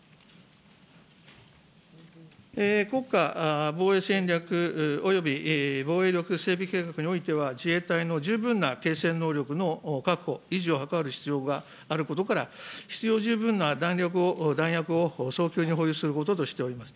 国家防衛戦略および防衛力整備計画においては、自衛隊の十分な継戦能力の確保、維持を図る必要があることから、必要十分な弾薬を早急に保有することとしております。